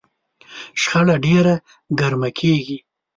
شخړه ډېره ګرمه کېږي.